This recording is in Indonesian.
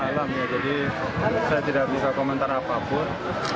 malam ya jadi saya tidak bisa komentar apapun